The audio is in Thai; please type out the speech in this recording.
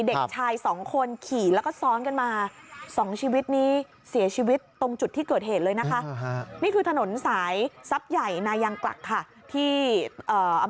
เด็กชายสองคนขี่แล้วก็ซ้อนกันมาสองชีวิตนี้เสียชีวิตตรงจุดที่เกิดเหตุเลยนะคะนี่คือถนนสายทรัพย์ใหญ่นายังกลักค่ะที่เอ่อ